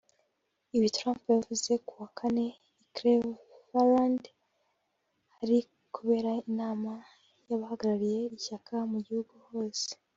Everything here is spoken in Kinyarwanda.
Ibi Trump yabivuze ku wa Kane i Cleveland ahari kubera inama y’abahagariye ishyaka mu gihugu hose